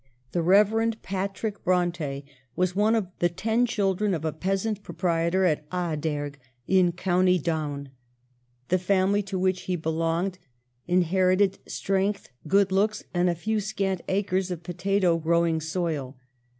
The Reverend Patrick Bronte was one of the ten children of a peasant proprietor at Ahaderg in county Down. The family to which he be longed inherited strength, good looks, and a few scant acres of potato growing soil.